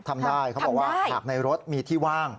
ทำได้เขาบอกว่าหากในรถมีที่ว่าง